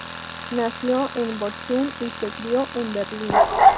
Nació en Bochum y se crio en Berlín.